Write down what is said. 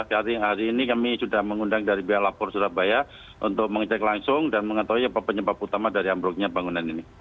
dari hari ini kami sudah mengundang dari pihak lapor surabaya untuk mengecek langsung dan mengetahui apa penyebab utama dari ambruknya bangunan ini